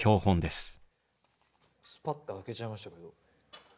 スパって開けちゃいましたけど。